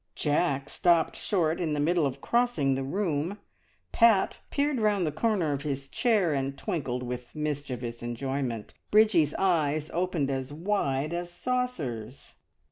Jack stopped short in the middle of crossing the room, Pat peered round the corner of his chair and twinkled with mischievous enjoyment, Bridgie's eyes opened as wide as saucers.